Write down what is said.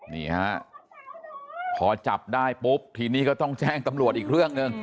นี่ฮะพอจับได้ปุ๊บทีนี้ก็ต้องแจ้งตำรวจอีกเรื่องหนึ่ง